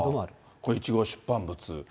この１号出版物。